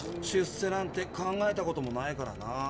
出世なんて考えたこともないからな。